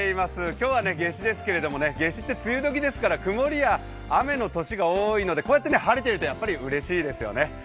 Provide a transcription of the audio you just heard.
今日は夏至ですけれども夏至って梅雨時ですから曇りや雨の年が多いのでこうやって晴れてるとやっぱりうれしいですよね。